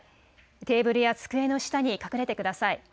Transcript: テーブルや机の下に隠れてください。